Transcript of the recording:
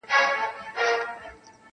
همېشه پر حیوانانو مهربان دی-